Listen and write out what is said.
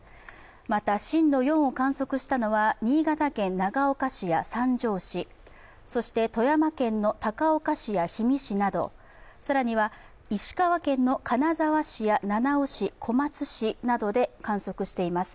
また震度４を観測したのは新潟県長岡市や三条市、そして富山県の高岡市や氷見市など、更には石川県の金沢市や七尾市、小松市などで観測しています。